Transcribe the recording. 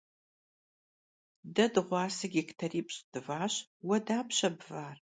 De dığuase gêktaripş' dvaş, vue dapşe bvar?